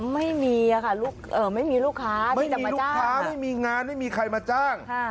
ไม่มีลูกค้าไม่มีงานไม่มีใครมาจ้าง